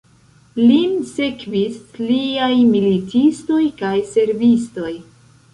Lin sekvis liaj militistoj kaj servistoj.